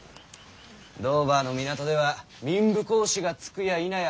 ドーバーの港では民部公子が着くやいなや